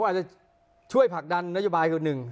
อาจจะช่วยผลักดันนโยบายคือหนึ่ง